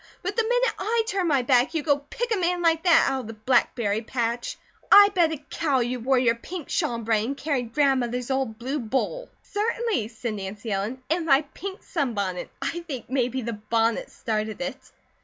But the minute I turn my back, you go pick a man like that, out of the blackberry patch. I bet a cow you wore your pink chambray, and carried grandmother's old blue bowl." "Certainly," said Nancy Ellen, "and my pink sun bonnet. I think maybe the bonnet started it."